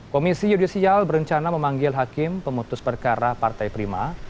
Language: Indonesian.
komisi yudisial berencana memanggil hakim pemutus perkara partai prima